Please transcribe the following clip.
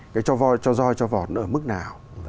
cái cho roi cho vọt nó ở mức nào